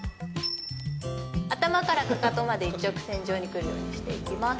頭からかかとまで、一直線上にくるようにしていきます。